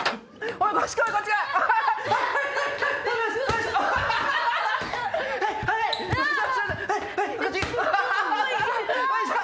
おいしょ！